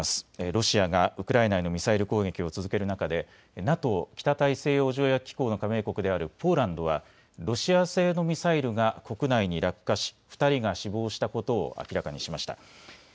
ロシアがウクライナへのミサイル攻撃を続ける中でＮＡＴＯ・北大西洋条約機構の加盟国であるポーランドはロシア製のミサイルが国内に落下し２人が死亡したことを明らかにしました。